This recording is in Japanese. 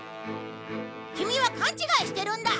キミは勘違いしてるんだ。